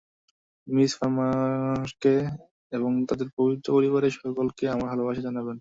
Miss ফার্মারকে এবং তাঁদের পবিত্র পরিবারের সকলকে আমার ভালবাসা জানাবেন।